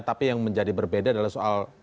tapi yang menjadi berbeda adalah soal